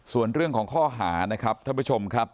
ส่วนเรื่องของข้อหานะครับท่านผู้ชมครับ